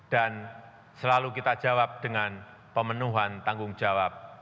dan selalu kita jawab dengan pemenuhan tanggung jawab